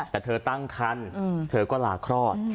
แต่เธอตั้งคันเธอก็ลาคลอด